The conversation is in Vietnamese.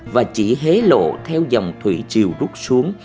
và chỉ hế lộ theo dòng thủy triều rút xuống